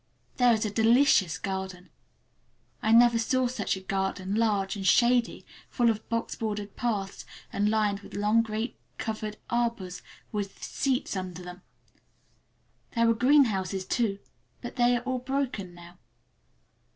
There is a delicious garden! I never saw such a garden—large and shady, full of box bordered paths, and lined with long grape covered arbors with seats under them. There were greenhouses, too, but they are all broken now.